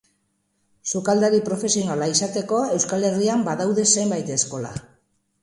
Sukaldari profesionala izateko Euskal Herrian badaude zenbait eskola.